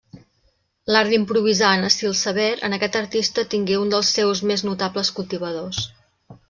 L'art d'improvisar en estil sever en aquest artista tingué un dels seus més notables cultivadors.